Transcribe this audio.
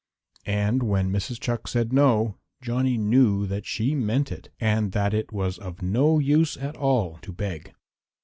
And when Mrs. Chuck said "No," Johnny knew that she meant it, and that it was of no use at all to beg.